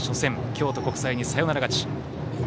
京都国際にサヨナラ勝ち。